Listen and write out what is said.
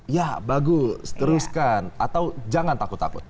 ya bagus teruskan atau jangan takut takut